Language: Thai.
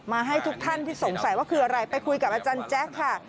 ให้ทุกท่านที่สงสัยว่าคืออะไรไปคุยกับอาจารย์แจ๊คค่ะ